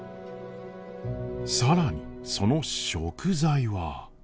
更にその食材は。